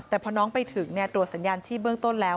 แต่พอน้องไปถึงตรวจสัญญาณชีพเบื้องต้นแล้ว